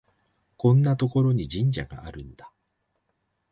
こんなところに神社があるんだ